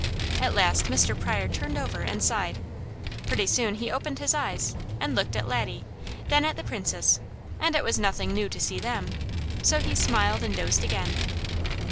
At last Mr. Pryor turned over and sighed, pretty soon he opened his eyes, and looked at Laddie, then at the Princess, and it was nothing new to see them, so he smiled and dozed again.